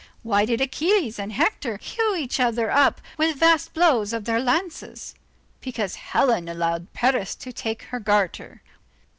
why did Achilles and Hector hew each other up with vast blows of their lances? Because Helen allowed Paris to take her garter.